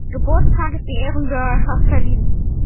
Geburtstages die Ehrenbürgerschaft verliehen.